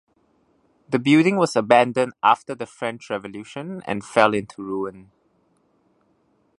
The building was abandoned after the French Revolution and fell into ruin.